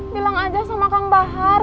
bilang aja sama kang bahar